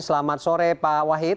selamat sore pak wahid